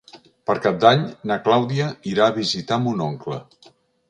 Per Cap d'Any na Clàudia irà a visitar mon oncle.